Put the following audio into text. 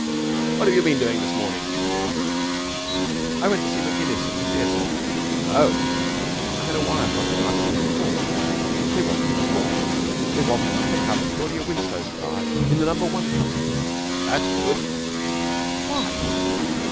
'What have you been doing this morning?' he asked. 'I went to see Maginnis at the theatre.' 'Oh!' 'I had a wire from him asking me to call. They want me to take up Claudia Winslow's part in the number one company.' 'That's good.' 'Why?'